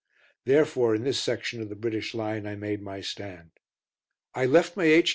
Therefore in this section of the British line I made my stand. I left my H.Q.